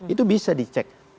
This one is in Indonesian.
itu bisa dicek